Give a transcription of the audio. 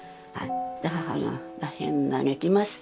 母が大変嘆きまして